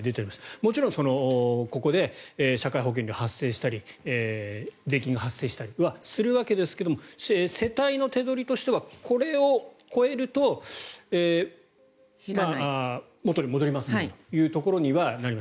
もちろん、ここで社会保険料が発生したり税金が発生したりするわけですが世帯の手取りとしてはこれを超えると元に戻りますよというところにはなります。